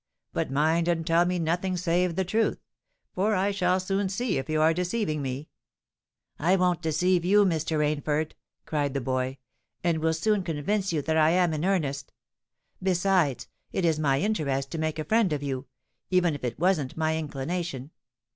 But mind and tell me nothing save the truth; for I shall soon see if you are deceiving me." "I won't deceive you, Mr. Rainford," cried the boy; "and will soon convince you that I am in earnest. Besides, it is my interest to make a friend of you—even if it wasn't my inclination.